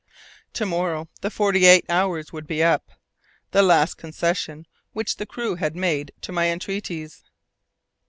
To morrow, the forty eight hours would be up, the last concession which the crew had made to my entreaties.